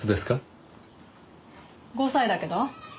５歳だけど。